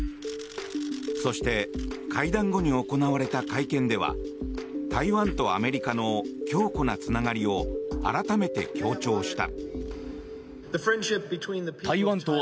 そして会談後に行われた会見では台湾とアメリカの強固なつながりを改めて強調した。